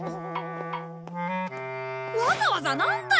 わざわざなんだよ！